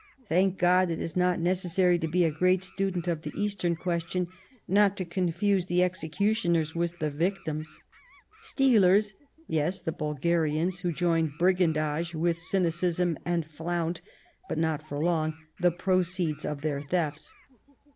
Thank God ! it is not necessary to be a great student of the Eastern question not to confuse the executioners with the victims. Stealers — yes, the Bulgarians, who join brigandage with cynicism, and flaunt, but not for long, the proceeds of their thefts.